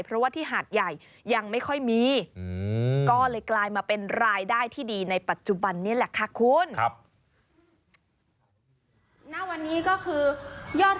เพราะว่าที่หาดใหญ่ยังไม่ค่อยมีก็เลยกลายมาเป็นรายได้ที่ดีในปัจจุบันนี้แหละค่ะคุณ